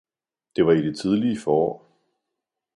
Det var i det tidlige forår.